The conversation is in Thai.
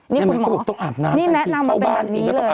นี่คุณหมอนี่แนะนำมาเป็นแบบนี้เลย